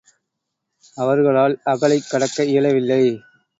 அவர்களால் அகழைக் கடக்க இயலவில்லை.